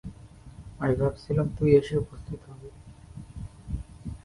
আমি ভাবছিলাম তুই এসে উপস্থিত হবি।